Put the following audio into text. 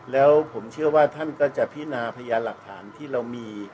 แล้วผมเชื่อว่าท่านก็จะพินาพยานหลักฐานที่เรามี